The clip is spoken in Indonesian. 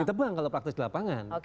ditebang kalau praktek di lapangan